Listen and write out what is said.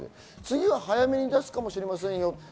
次は早めに出すかもしれませんよと。